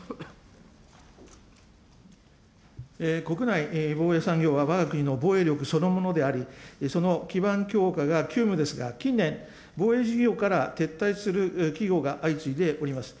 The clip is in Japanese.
国内防衛産業は、わが国の防衛力そのものであり、その基盤強化が急務ですが、近年、防衛事業から撤退する企業が相次いでおります。